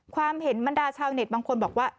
ความเห็นบรรดาชาวเน็ตบางคนบอกว่า